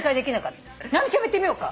直美ちゃんもいってみようか。